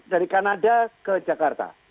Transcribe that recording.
dari kanada ke jakarta